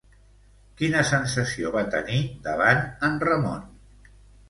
Quina sensació va tenir davant en Ramon?